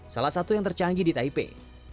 salah satu yang tercanggih di taipei